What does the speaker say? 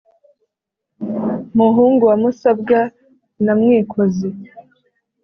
muhungu wa musabwa na mwikozi